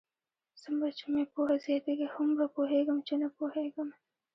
څومره چې مې پوهه زیاتېږي، هومره پوهېږم؛ چې نه پوهېږم.